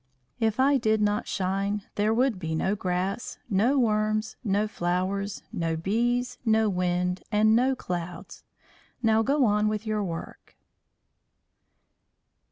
If I did not shine there would be no grass, no worms, no flowers, no bees, no wind, and no clouds. Now go on with your work."